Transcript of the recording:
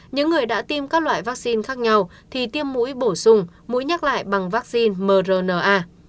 những người đã tiêm các loại vaccine khác nhau thì tiêm mũi bổ sung mũi nhắc lại bằng vaccine mrna